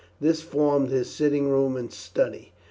This formed his sitting room and study.